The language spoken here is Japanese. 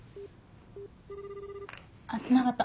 あっつながった。